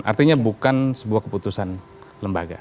artinya bukan sebuah keputusan lembaga